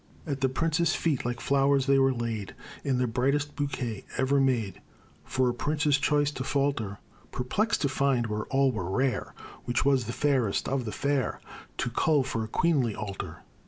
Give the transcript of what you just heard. At the prince's feet like flowers they were laid, In the brightest bouquet ever made, For a prince's choice to falter Perplexed to find, where all were rare, Which was the fairest of the fair To cull for a queenly altar.